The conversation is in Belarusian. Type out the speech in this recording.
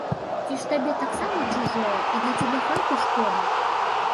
Ці ж табе таксама чужое і для цябе хаты шкода?